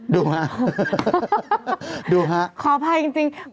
ดูฮะดูฮะขออภัยจริง